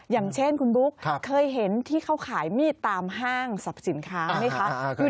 อย่างเช่นคุณบุ๊คเคยเห็นที่เขาขายมีดตามห้างสรรพสินค้าไหมคะ